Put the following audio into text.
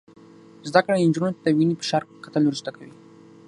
زده کړه نجونو ته د وینې فشار کتل ور زده کوي.